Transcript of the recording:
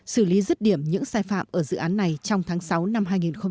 xử lý rứt điểm những sai phạm ở dự án này trong tháng sáu năm hai nghìn hai mươi